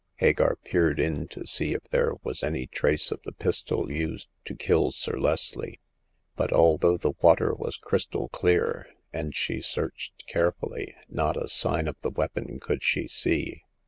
Hagar peered in to see if there was any trace of the pistol used to kill Sir Leslie ; but although the water was crystal clear, and she searched carefully, not a sign of the weapon could she see.